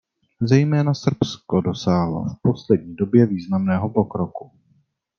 Zejména Srbsko dosáhlo v poslední době významného pokroku.